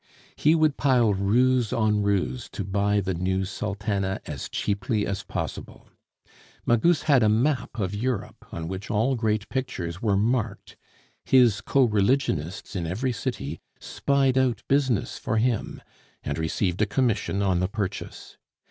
He would pile ruse on ruse to buy the new sultana as cheaply as possible. Magus had a map of Europe on which all great pictures were marked; his co religionists in every city spied out business for him, and received a commission on the purchase.